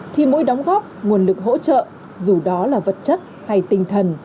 thì mỗi đóng góp nguồn lực hỗ trợ dù đó là vật chất hay tinh thần